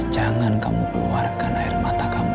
jangan kamu keluarkan air mata kamu